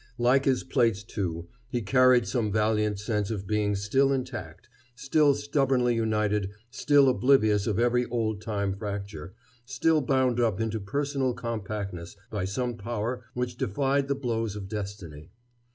Like his plates, too, he carried some valiant sense of being still intact, still stubbornly united, still oblivious of every old time fracture, still bound up into personal compactness by some power which defied the blows of destiny.